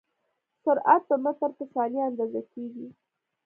سرعت په متر په ثانیه اندازه کېږي.